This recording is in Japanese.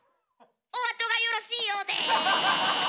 おあとがよろしいようで！